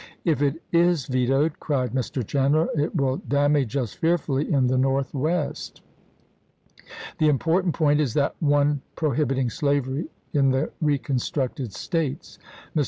" If it is vetoed," cried Mr. Chandler, " it will damage us fearfully in the Northwest. The important point is that one prohibiting slavery in the reconstructed States." Mr.